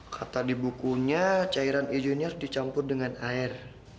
kata di bukunya cairan ijunior dicampur dengan air